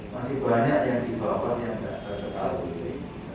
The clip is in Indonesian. masih banyak yang dibawa yang kita ketahui